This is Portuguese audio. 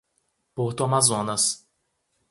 Porto Amazonas